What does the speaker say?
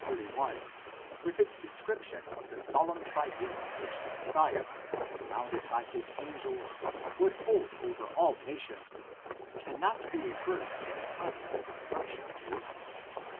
31, with its description of the solemn tribunal which the Messiah, surrounded by his angels, would hold over all nations, cannot be referred to the time of the destruction of Jerusalem.